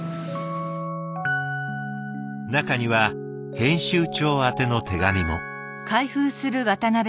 中には編集長宛ての手紙も。